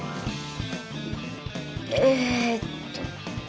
えっと